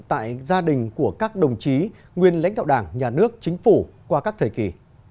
tại gia đình của các đồng chí nguyên lãnh đạo đảng nhà nước chính phủ qua các thời kỳ